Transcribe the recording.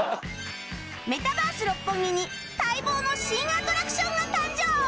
メタバース六本木に待望の新アトラクションが誕生